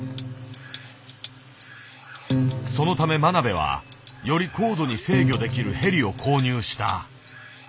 そのため真鍋はより高度に制御できるヘリを購入した。